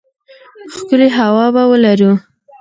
ښکلې هوا به ولرو.